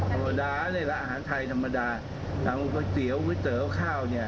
อาหารไทยธรรมดาอาหารไทยธรรมดาที่เตี๋ยวเตี๋ยวเตี๋ยวข้าว